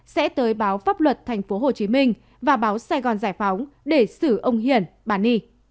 sẽ tới báo pháp luật tp hcm và báo sài gòn giải phóng để xử ông hiền bà ni